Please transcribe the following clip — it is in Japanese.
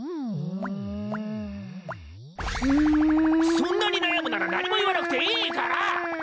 そんなに悩むなら何も言わなくていいから！